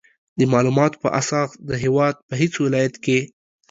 د مالوماتو په اساس د هېواد په هېڅ ولایت کې